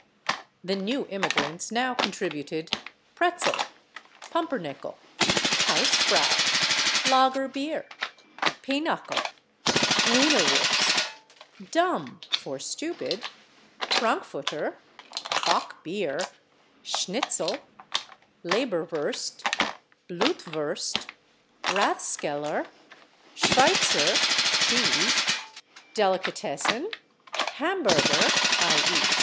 The new immigrants now contributed /pretzel/, /pumpernickel/, /hausfrau/, /lager beer/, /pinocle/, /wienerwurst/, /dumb/ (for stupid), /frankfurter/, /bock beer/, /schnitzel/, /leberwurst/, /blutwurst/, /rathskeller/, /schweizer/ (cheese), /delicatessen/, /hamburger/ (/i. e.